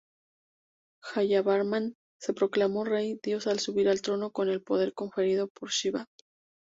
Jayavarman se proclamó rey-dios al subir al trono con el poder conferido por Shivá.